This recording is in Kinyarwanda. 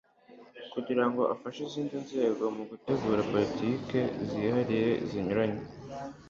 kugirango ifashe izindi nzego mu gutegura politiki zihariye zinyuranye